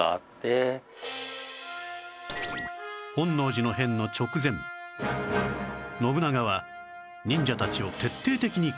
本能寺の変の直前信長は忍者たちを徹底的に攻撃